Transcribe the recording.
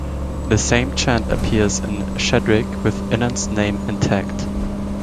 The same chant appears in "Shardik" with Inanna's name intact.